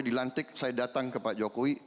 dilantik saya datang ke pak jokowi